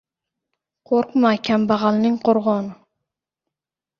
• “Qo‘rqma” — kambag‘alning qo‘rg‘oni.